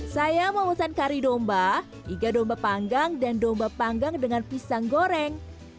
saya memesan kari domba iga domba panggang dan domba panggang dengan pisang goreng